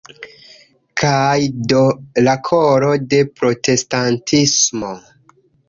Kaj do la koro de protestantismo.